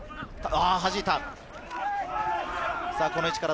はじいた。